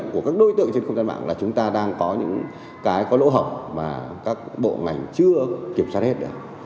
của các đối tượng trên không gian mạng là chúng ta đang có những cái có lỗ hỏng mà các bộ ngành chưa kiểm soát hết được